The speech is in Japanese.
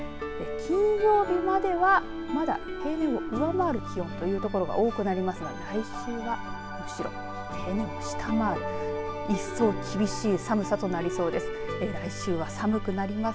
金曜日までは、まだ平年を上回る気温という所が多くなりますが、来週はむしろ平年を下回る一層厳しい寒さとなりそうです。